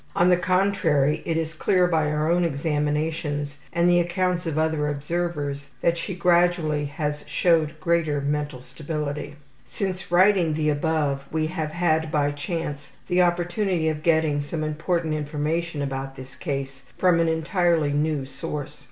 On the contrary, it is clear by our own examinations and the accounts of other observers that she gradually has showed greater mental stability. (Since writing the above, we have had, by chance, the opportunity of getting some important information about this case from an entirely new source.